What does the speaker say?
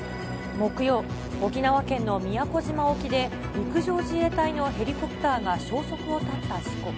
木曜、沖縄県の宮古島沖で、陸上自衛隊のヘリコプターが消息を絶った事故。